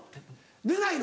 寝ないの？